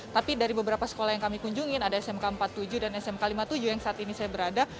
tapi dari beberapa sekolah yang kami kunjungi ada smk empat puluh tujuh dan smk lima puluh tujuh yang saat ini saya berada